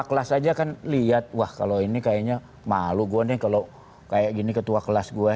kelas aja kan lihat wah kalau ini kayaknya malu gue nih kalau kayak gini ketua kelas gue